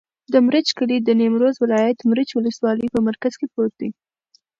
د مريچ کلی د نیمروز ولایت، مريچ ولسوالي په مرکز کې پروت دی.